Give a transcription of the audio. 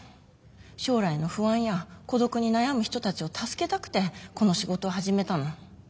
将来の不安や孤独に悩む人たちを助けたくてこの仕事を始めたの。